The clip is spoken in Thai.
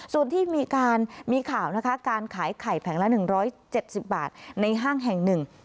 ส่วนที่มีการมีข่าวนะคะการขายไข่แผงละ๑๗๐บาทในห้างแห่งหนึ่ง